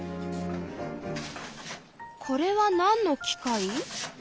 これはなんの機械？